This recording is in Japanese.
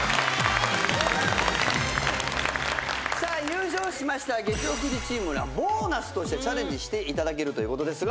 優勝しました月曜９時チームにはボーナスとしてチャレンジしていただけると。